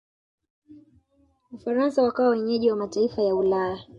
ufaransa wakawa wenyeji wa mataifa ya ulaya